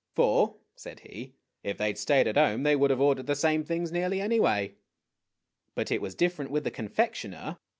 "For," said he, " if they had stayed at home, they would have ordered the same things nearly, anyway." But it was different with the confectioner.